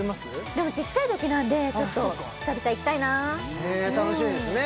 でもちっちゃいときなのでちょっと久々行きたいな楽しみですね